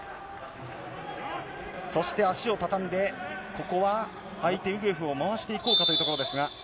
そして足を畳んで、ここは相手、ウグエフを回していこうかというところですが。